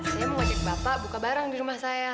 saya mau ajak bapak buka barang di rumah saya